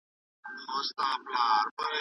که تاسي غواړئ ښکلی پوستکی ولرئ، نو اوبه وڅښئ.